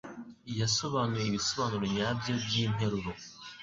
Yasobanuye ibisobanuro nyabyo byinteruro.